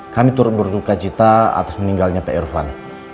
kami turut berduka cita atas meninggalnya pak irfan